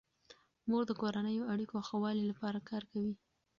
مور د کورنیو اړیکو ښه والي لپاره کار کوي.